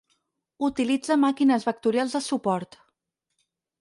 Utilitza màquines vectorials de suport.